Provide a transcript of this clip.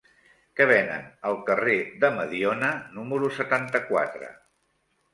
Què venen al carrer de Mediona número setanta-quatre?